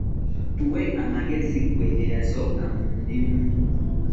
Tuwe ku magezi ggwe nga eyasooka mu mulimu.